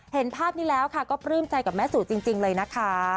เห็นภาพนี้แล้วค่ะก็ปลื้มใจกับแม่สู่จริงเลยนะคะ